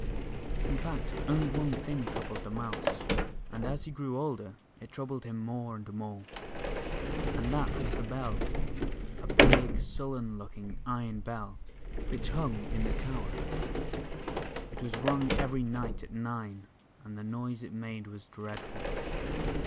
In fact, only one thing troubled the Mouse, and as he grew older, it troubled him more and more. And that was the Bell, a big, sullen looking iron Bell, which hung in the tower. It was rung every night at nine, and the noise it made was dread ful.